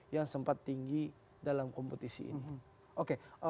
yang sempat tinggi dalam kompetisi ini